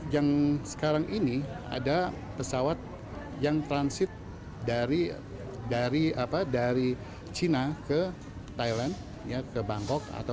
yang sekarang ini ada pesawat yang transit dari china ke thailand ke bangkok